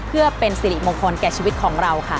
เพื่อเป็นสิริมงคลแก่ชีวิตของเราค่ะ